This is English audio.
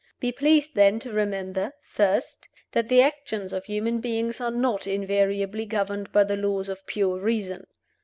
Be pleased, then, to remember (First): That the actions of human beings are not invariably governed by the laws of pure reason.